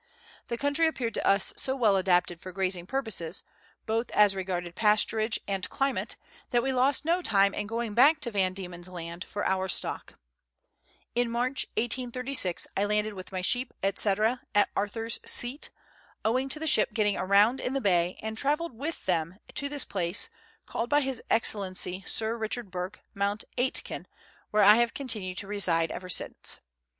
The country appeared to us so Letters from Victorian Pioneers. 207 well adapted for grazing purposes, both as regarded pasturage and climate, that we lost no time in going back to Van Diemen's Land for our stock. In March 1836, I landed with my sheep, &c., at Arthur's Seat, owing to the ship getting aground in the Bay, and travelled with them to this place, called by His Excellency Sir Richard Bourke, Mount Aitken, where I have continued to reside ever since.